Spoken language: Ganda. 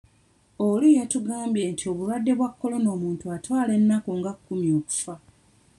Oli yatugambye nti obulwadde bwa Corona omuntu atwala ennaku nga kkumi okufa.